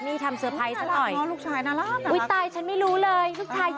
นี่ทำเซอร์ไพสักหน่อย